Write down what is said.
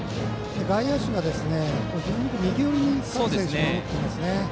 外野手が非常に右寄りに各選手、守っていますね。